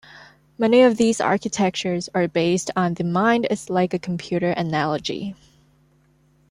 Many of these architectures are based on the-mind-is-like-a-computer analogy.